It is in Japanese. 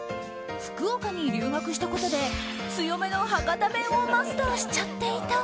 福岡に留学したことで強めの博多弁をマスターしちゃっていた。